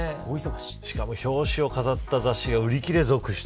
しかも表紙を飾った雑誌が売り切れ続出。